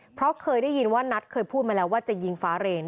เพราะเคยได้ยินว่านัทเคยพูดมาแล้วว่าจะยิงฟ้าเรน